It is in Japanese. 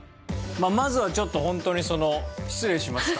まずはちょっとホントにその失礼しました。